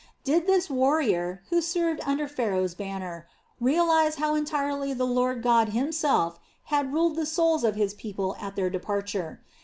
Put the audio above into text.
Did this warrior, who served under Pharaoh's banner, realize how entirely the Lord God Himself had ruled the souls of his people at their departure.